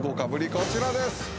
こちらです。